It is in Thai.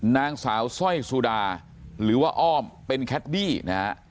นางสาวสร้อยสุดาหรือว่าอ้อมเป็นแคดดี้นะฮะ